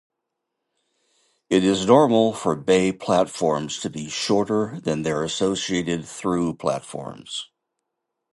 It is normal for bay platforms to be shorter than their associated through platforms.